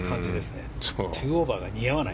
２オーバーが似合わない。